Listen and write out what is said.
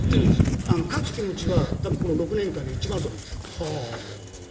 勝つ気持ちはこの６年間で一番あると思います。